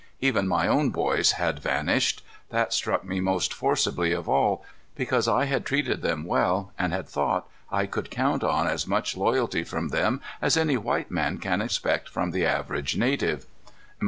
Even my own boys had vanished. That struck me most forcibly of all, because I had treated them well and had thought I could count on as much loyalty from them as any white man can expect from the average native.